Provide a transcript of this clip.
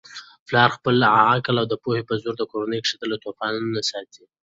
پلارد خپل عقل او پوهې په زور د کورنی کښتۍ له توپانونو باسي.